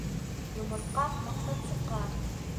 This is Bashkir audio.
Йомортҡа маҡтансыҡҡа: